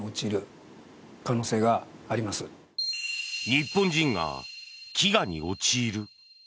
日本人が飢餓に陥る？